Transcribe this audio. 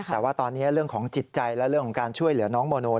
แต่ว่าตอนนี้เรื่องของจิตใจและเรื่องของการช่วยเหลือน้องโมโน